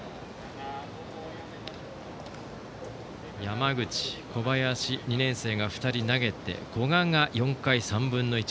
山口、小林と２年生が投げて古賀が４回３分の１。